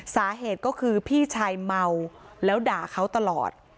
สาเหตุก็คือพี่ชายเมาแล้วด่าเขาตลอด